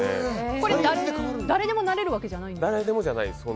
誰でもなれるわけじゃないんですか？